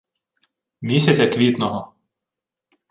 Місяця квітного